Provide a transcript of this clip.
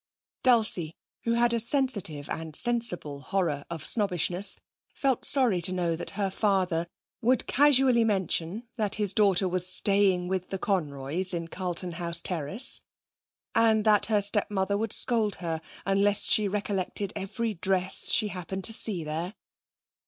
Dulcie, who had a sensitive and sensible horror of snobbishness, felt sorry to know that her father would casually mention that his daughter was staying with the Conroys in Carlton House Terrace, and that her stepmother would scold her unless she recollected every dress she happened to see there.